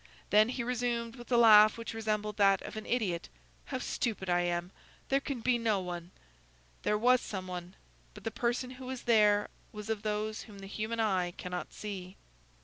Then he resumed, with a laugh which resembled that of an idiot:— "How stupid I am! There can be no one!" There was some one; but the person who was there was of those whom the human eye cannot see.